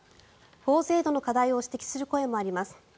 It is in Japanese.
法制度の課題を指摘する声もあります。